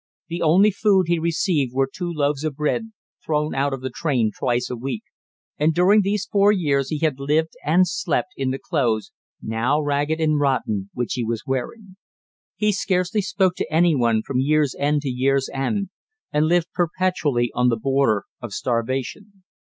The only food he received were two loaves of bread thrown out of the train twice a week, and during these four years he had lived and slept in the clothes, now ragged and rotten, which he was wearing. He scarcely spoke to any one from year's end to year's end, and lived perpetually on the border of starvation.